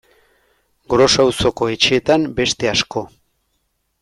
Gros auzoko etxeetan beste asko.